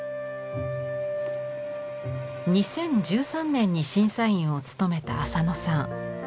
２０１３年に審査員を務めた浅野さん。